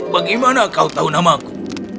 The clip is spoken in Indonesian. bagaimana kau tahu namaku